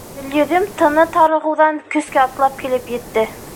Гөлйөҙөм тыны тарығыуҙан көскә атлап килеп етте.